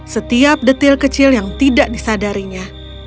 setiap detail kecil yang tidak disadarinya